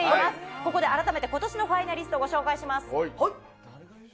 ここで改めて、ことしのファイナリストご紹介します。